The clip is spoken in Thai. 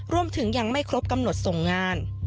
รวมถึงยังไม่ครบกำหนดส่งงาน